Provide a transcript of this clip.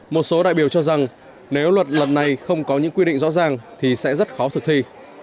một số đại biểu cho rằng nếu luật lần này không có những quy định rõ ràng thì sẽ rất khó thực thi